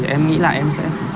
em nghĩ là em sẽ